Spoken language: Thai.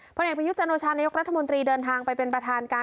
เอกประยุทธ์จันโอชานายกรัฐมนตรีเดินทางไปเป็นประธานการ